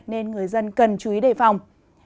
nên người dân cần chú ý đề phòng